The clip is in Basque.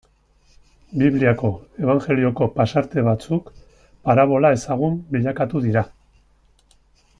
Bibliako, Ebanjelioko pasarte batzuk parabola ezagun bilakatu dira.